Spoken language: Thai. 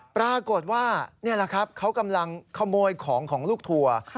ปรากฏว่านี่แหละครับเขากำลังขโมยของของลูกทัวร์